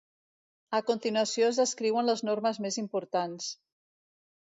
A continuació es descriuen les normes més importants.